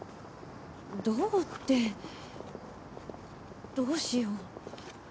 どうってどうしよう。